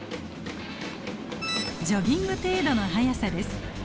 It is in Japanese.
ジョギング程度の速さです。